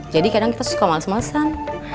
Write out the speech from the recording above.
jadi kadang kita suka males malesan